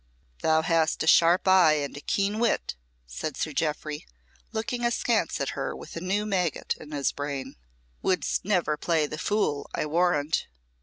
"Thou hast a sharp eye and a keen wit," said Sir Jeoffry, looking askance at her with a new maggot in his brain. "Wouldst never play the fool, I warrant.